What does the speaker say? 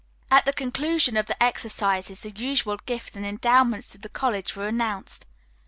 At the conclusion of the exercises the usual gifts and endowments to the college were announced.